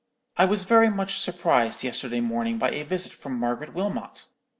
"'I was very much surprised yesterday morning by a visit from Margaret Wilmot.